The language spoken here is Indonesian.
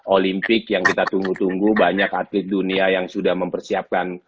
olimpik yang kita tunggu tunggu banyak atlet dunia yang sudah mempersiapkan